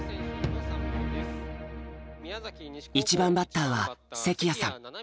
１番バッターは関谷さん。